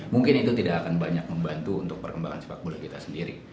mungkin itu tidak akan banyak membantu untuk perkembangan sepak bola kita sendiri